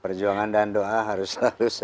perjuangan dan doa harus lulus ya